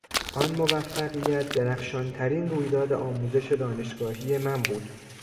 آن موفقیت درخشانترین رویداد آموزش دانشگاهی من بود.